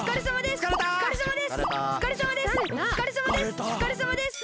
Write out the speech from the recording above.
おつかれさまです！